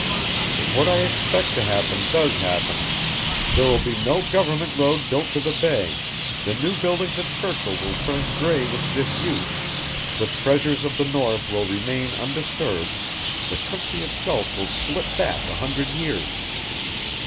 If what I expect to happen does happen there will be no government road built to the Bay, the new buildings at Churchill will turn gray with disuse, the treasures of the north will remain undisturbed, the country itself will slip back a hundred years.